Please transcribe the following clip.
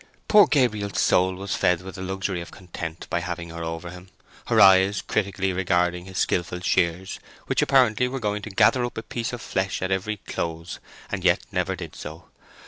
Poor Gabriel's soul was fed with a luxury of content by having her over him, her eyes critically regarding his skilful shears, which apparently were going to gather up a piece of the flesh at every close, and yet never did so.